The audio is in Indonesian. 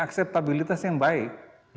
akseptabilitas yang baik